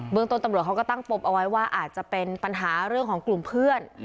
เมืองต้นตำรวจเขาก็ตั้งปมเอาไว้ว่าอาจจะเป็นปัญหาเรื่องของกลุ่มเพื่อน